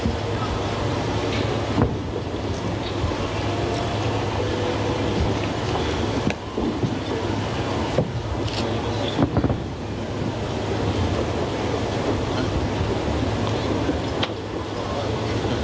สุดท้าย